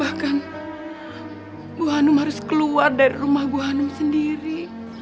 bahkan bu hanum harus keluar dari rumah ibu hanum sendiri